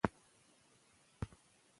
پاکه هوا د سالم بدن او ذهن لپاره مهمه ده.